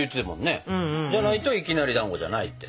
じゃないといきなりだんごじゃないって。